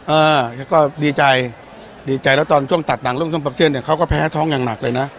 เออเขาก็ดีใจดีใจแล้วตอนช่วงตัดหนังเรื่องส้มปรับเส้นเนี่ยเขาก็แพ้ท้องอย่างหนักเลยนะ